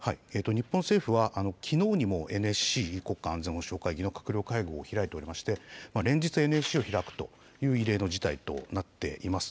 日本政府はきのうにもＮＳＣ・国家安全保障会議の閣僚会合を開いておりまして、連日ＮＳＣを開くという異例の事態となっています。